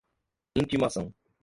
intimação